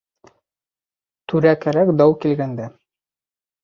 Түрә кәрәк дау килгәндә.